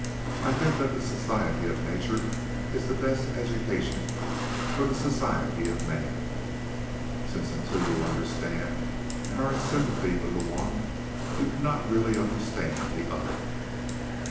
I think that the society of nature is the best education for the society of man, since until you understand and are in sympathy with the one, you cannot really understand the other.